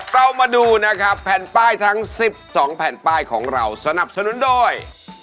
เรามาดูนะครับแผ่นป้ายทั้ง๑๒แผ่นป้ายของเราสนับสนุนโดย